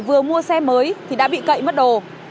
vừa mua xe mới thì đã bị cậy mất đồ